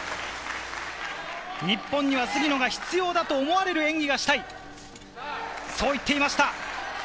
日本には杉野が必要だと思われる演技がしたい、そう言っていました。